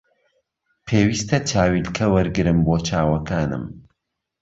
پێویستە چاویلکە وەرگرم بۆ چاوەکانم